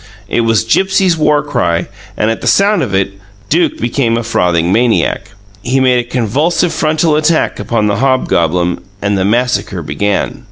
It was Gipsy's war cry, and, at the sound of it, Duke became a frothing maniac. He made a convulsive frontal attack upon the hobgoblin and the massacre began.